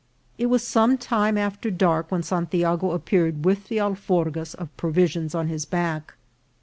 It was some time after dark when Santiago appeared with the alforgas of provisions on his back.